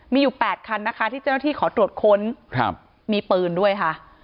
มีอยู่๘คันนะคะที่เจ้าหน้าที่ขอตรวจค้นมีปืนด้วยค่ะ